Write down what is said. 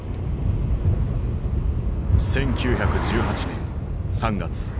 １９１８年３月。